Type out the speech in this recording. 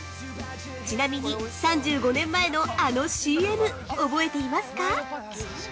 ちなみに、３５年前のあのＣＭ覚えていますか？